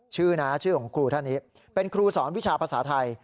ชื่อนะชื่อของครูท่านนี้เป็นครูสอนวิชาภาษาไทย